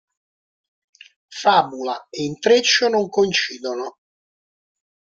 Fabula e intreccio non coincidono.